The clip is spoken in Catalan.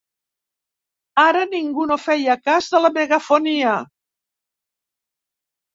Ara ningú no feia cas de la megafonia.